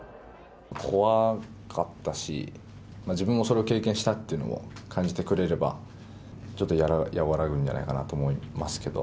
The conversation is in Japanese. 怖かったし、自分もそれを経験したっていうのも感じてくれれば、ちょっと和らぐんじゃないかなと思いますけど。